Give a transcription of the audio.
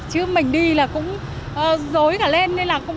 chứ mình đi là cũng dối cả lên